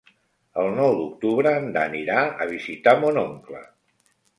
El nou d'octubre en Dan irà a visitar mon oncle.